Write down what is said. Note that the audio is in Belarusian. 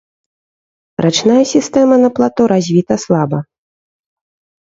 Рачная сістэма на плато развіта слаба.